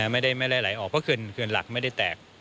ไม่ได้ไหลออกเพราะเขื่อนหลักไม่ได้แตก